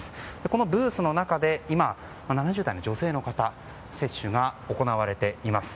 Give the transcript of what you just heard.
このブースの中で今、７０代の女性の方の接種が行われています。